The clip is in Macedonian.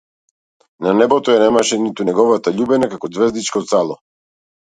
На небото ја немаше ниту неговата љубена како ѕвездичка од сало.